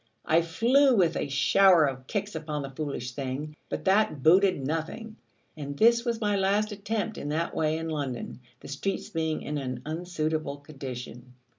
I flew with a shower of kicks upon the foolish thing: but that booted nothing; and this was my last attempt in that way in London, the streets being in an unsuitable condition.